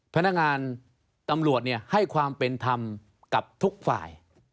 พนักงานตำรวจให้ความเป็นธรรมกับทุกฝ่าย